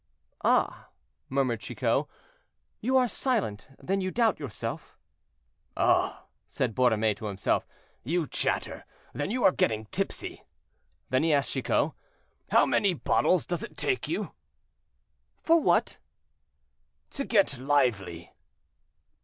"Ah!" murmured Chicot, "you are silent; then you doubt yourself." "Ah!" said Borromée to himself, "you chatter; then you are getting tipsy." Then he asked Chicot, "How many bottles does it take you?" "For what?" "To get lively."